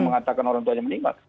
mengatakan orang tuanya meninggal